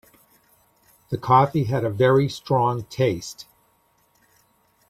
The coffee had a very strong taste.